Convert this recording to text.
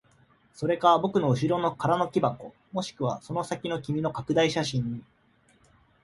それか僕の後ろの空の木箱、もしくはその先の君の拡大写真に。